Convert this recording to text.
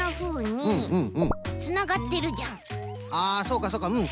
あそうかそうかうん。